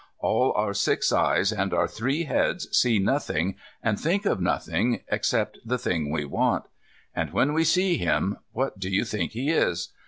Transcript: All our six eyes and our three heads see nothing and think of nothing except the thing we want. And when we see him, what do you think he is?